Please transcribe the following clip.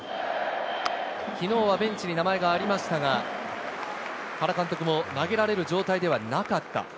昨日はベンチに名前がありましたが、原監督も投げられる状態ではなかった。